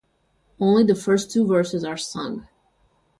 Only the first two verses are sung.